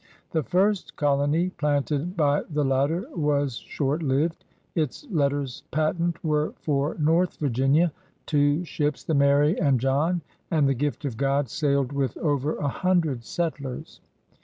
The first colony planted by the latter was short lived. Its letters patent were for North Virginia. Two ships, the Mary and John and the Gift of God, sailed with over a hundred settlers.